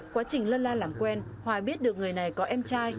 quá trình lân la làm quen hoài biết được người này có em trai